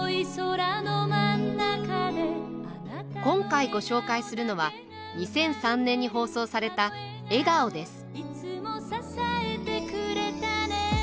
今回ご紹介するのは２００３年に放送された「笑顔」です。